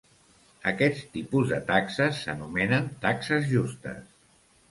Aquest tipus de taxes s'anomenen Taxes Justes.